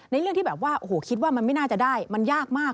ในเรื่องที่คิดว่ามันไม่น่าจะได้มันยากมาก